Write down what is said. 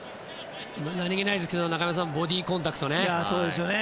何気ないですけど中山さんボディーコンタクトですね。